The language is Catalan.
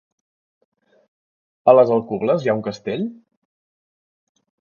A les Alcubles hi ha un castell?